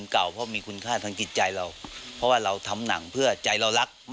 ขอการดำรก